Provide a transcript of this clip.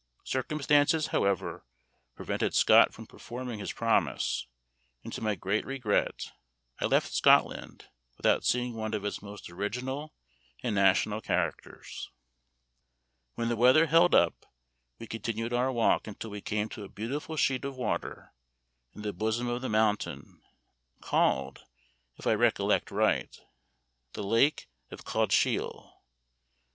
Circumstances, however, prevented Scott from performing his promise; and to my great regret I left Scotland without seeing one of its most original and national characters. When the weather held up, we continued our walk until we came to a beautiful sheet of water, in the bosom of the mountain, called, if I recollect right, the lake of Cauldshiel.